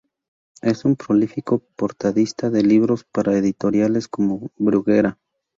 Es un prolífico portadista de libros para editoriales como Bruguera.